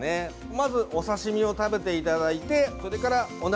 まず、お刺身を食べていただいてそれからお鍋。